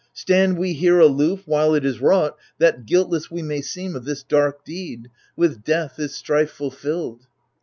Stand we here aloof While it is wrought, that guiltless we may seem Of this dark deed ; with death is strife fulfilled.